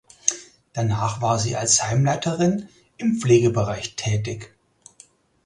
Danach war sie als Heimleiterin im Pflegebereich tätig.